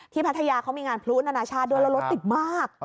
ที่พระทะเยาะของมีงานผลุอุณหานชาติโดยรถติดมาก